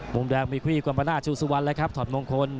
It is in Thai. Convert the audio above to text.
มุมแดงมีควีกวันประนาชูสุวรรณนะครับถอดมงคล